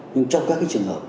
nhưng trong các cái trường hợp